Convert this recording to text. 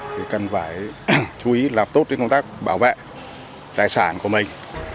thì cần phải chú ý làm tốt công tác bảo vệ tài sản của mình